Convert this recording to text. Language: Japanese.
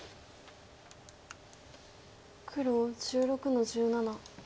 黒１６の十七。